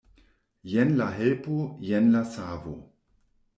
Jen la helpo, jen la savo!